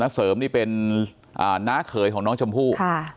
เสริมนี่เป็นน้าเขยของน้องชมพู่